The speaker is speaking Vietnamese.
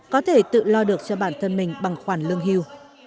có thể tự lo được cho bản thân mình bằng khoản lương hiu